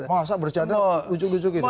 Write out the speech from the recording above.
masa bercanda bucuk bucuk gitu